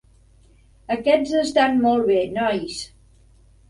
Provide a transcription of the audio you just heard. Aquests estan molt bé, nois.